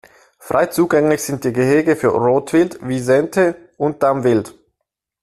Frei zugänglich sind die Gehege für Rotwild, Wisente und Damwild.